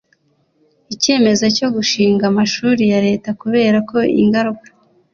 ikemezo cyo gushinga amashuri ya Leta kubera ko ingaruka